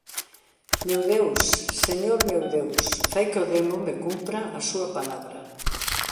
Meu Deus! Señor meu Deus! Fai que o demo me cumpra a súa palabra!